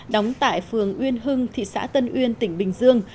đóng tại phường uyên hưng thị xã tân uyên tỉnh bình dương